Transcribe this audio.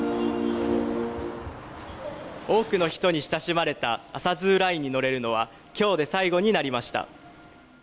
多くの人に親しまれたアサズーラインに乗れるのはきょうで最後になりました。